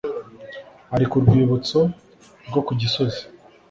Ari Ku Rwibutso rwo ku gisozi